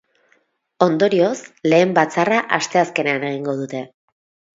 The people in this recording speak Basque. Ondorioz, lehen batzarra asteazkenean egingo dute.